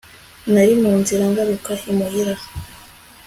Nari mu nzira ngaruka imuhira